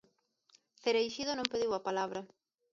Cereixido non pediu a palabra.